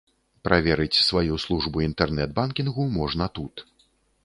Праверыць сваю службу інтэрнэт-банкінгу можна тут.